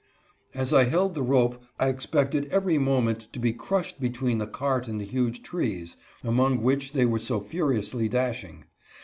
As I held the rope I expected every moment to be crushed between the cart and the huge trees, among which they were so furiously dashing.